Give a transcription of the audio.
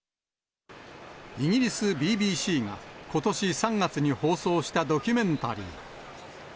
イギリスＢＢＣが、ことし３月に放送したドキュメンタリー。